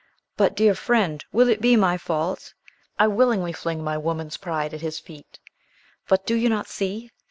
"But, dear friend, will it be my fault? I willingly fling my woman's pride at his feet. But do you not see?